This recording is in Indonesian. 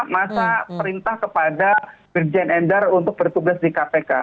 masa perintah kepada brigjen endar untuk bertugas di kpk